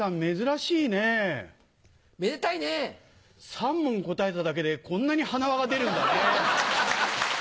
３問答えただけでこんなに花輪が出るんだね。